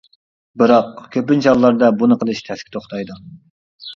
بىراق كۆپىنچە ھاللاردا بۇنى قىلىش تەسكە توختايدۇ.